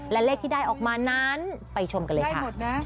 และเลขที่ได้ออกมานั้นไปชมกันเลยค่ะ